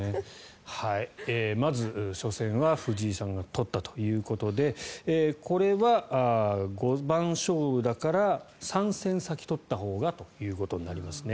まず、初戦は藤井さんが取ったということでこれは五番勝負だから３戦先取ったほうがということになりますね。